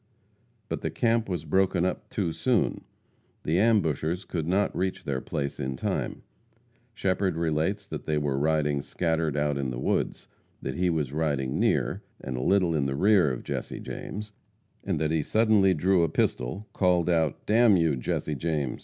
But the camp was broken up too soon. The ambushers could not reach their place in time. Shepherd relates that they were riding scattered out in the woods; that he was riding near, and a little in the rear of Jesse James; that he suddenly drew a pistol, called out, "Damn you, Jesse James!